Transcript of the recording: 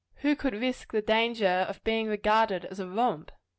Who could risk the danger of being regarded as a romp?